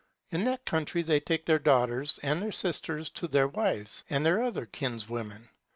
In that country they take their daughters and their sisters to their wives, and their other kinswomen.